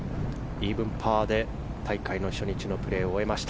イーブンパーで大会初日のプレーを終えました。